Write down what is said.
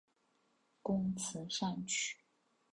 工词善曲。